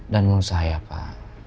dan mau usaha ya pak